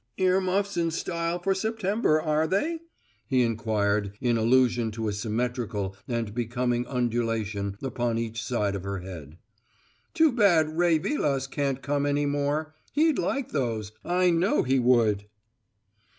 "Ear muffs in style for September, are they?" he inquired in allusion to a symmetrical and becoming undulation upon each side of her head. "Too bad Ray Vilas can't come any more; he'd like those, I know he would."